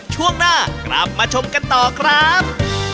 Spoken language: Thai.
ช่วงหน้ากลับมาชมกันต่อครับ